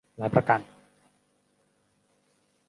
หลายประการ